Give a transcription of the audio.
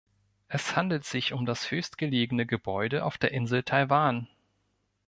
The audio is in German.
Es handelt sich um das höchstgelegene Gebäude auf der Insel Taiwan.